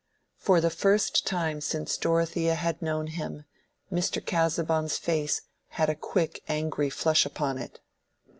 For the first time since Dorothea had known him, Mr. Casaubon's face had a quick angry flush upon it.